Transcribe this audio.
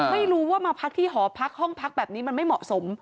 ไม่รู้ว่ามาพักที่หอพักห้องพักแบบนี้มันไม่เหมาะสม